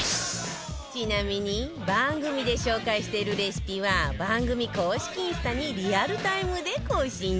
ちなみに番組で紹介しているレシピは番組公式インスタにリアルタイムで更新中